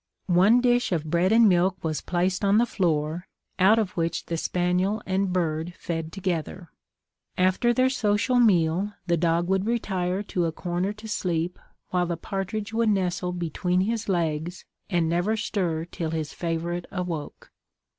One dish of bread and milk was placed on the floor, out of which the spaniel and bird fed together. After their social meal, the dog would retire to a corner to sleep, while the partridge would nestle between his legs, and never stir till his favourite awoke.